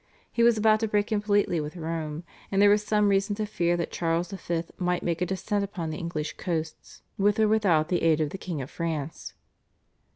He was about to break completely with Rome, and there was some reason to fear that Charles V. might make a descent upon the English coasts with or without the aid of the King of France.